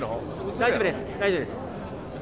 大丈夫です。